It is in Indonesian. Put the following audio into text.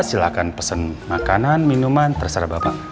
silahkan pesen makanan minuman terserah bapak